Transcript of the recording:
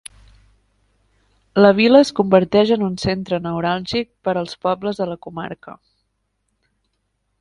La vila es converteix en un centre neuràlgic per als pobles de la comarca.